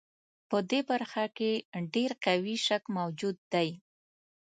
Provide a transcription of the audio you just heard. په دې برخه کې ډېر قوي شک موجود دی.